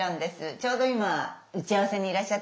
ちょうど今打ち合わせにいらっしゃったので。